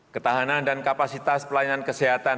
ketahanan dan kapasitas pelayanan kesehatan